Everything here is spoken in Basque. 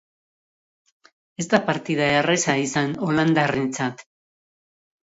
Ez da partida erraza izan holandarrentzat.